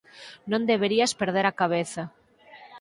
Non deberías perder a cabeza.